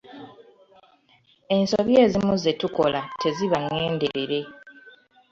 Ensobi ezimu ze tukola teziba ngenderere.